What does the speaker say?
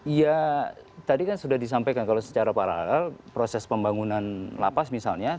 ya tadi kan sudah disampaikan kalau secara paralel proses pembangunan lapas misalnya